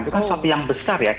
itu kan sesuatu yang besar ya